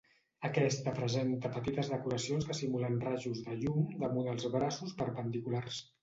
Aquesta presenta petites decoracions que simulen rajos de llum damunt els braços perpendiculars.